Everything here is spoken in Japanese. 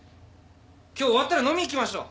今日終わったら飲みに行きましょう！